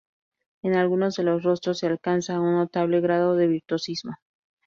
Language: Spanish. En algunos de los rostros se alcanza un notable grado de virtuosismo.